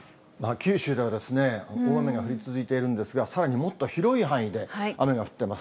九州では大雨が降り続いているんですが、さらにもっと広い範囲で雨が降ってます。